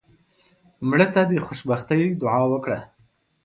مړه ته د خوشبختۍ دعا وکړه